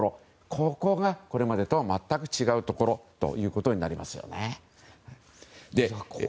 ここが、これまでとは全く違うところになりますよね。